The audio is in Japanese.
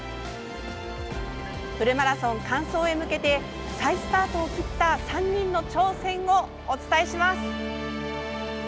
フルマラソン完走へ向けて再スタートを切った３人の挑戦をお伝えします。